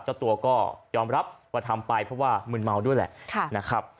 เจ้าตัวก็ยอมรับว่าทำไปเพราะว่ามึนเมาด้วยแหละนะครับ